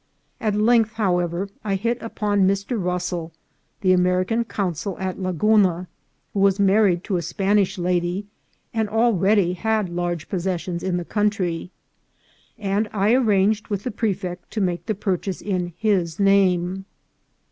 At length, however, I hit upon Mr. Russell, the Ameri can consul at Laguna, who was married to a Spanish lady, and already had large possessions in the country ; and I arranged with the prefect to make the purchase in his name.